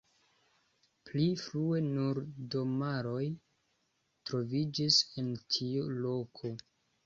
Pli frue nur domaroj troviĝis en tiu loko.